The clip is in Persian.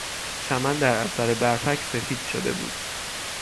چمن در اثر برفک سفید شده بود.